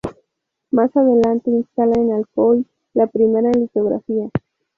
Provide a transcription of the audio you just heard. Más adelante instala en Alcoy la primera litografía.